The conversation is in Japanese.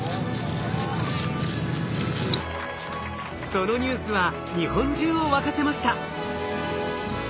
そのニュースは日本中を沸かせました。